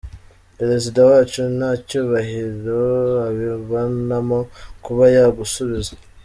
Perezida wacu nta cyubahiro abibonamo kuba yagusubiza.